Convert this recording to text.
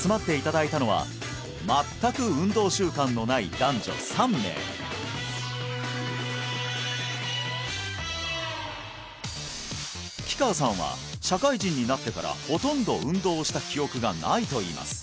集まっていただいたのは全く木川さんは社会人になってからほとんど運動をした記憶がないといいます